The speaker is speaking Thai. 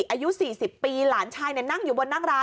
อายุ๔๐ปีหลานชายนั่งอยู่บนนั่งร้าน